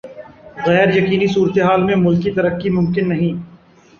غیر یقینی صورتحال میں ملکی ترقی ممکن نہیں۔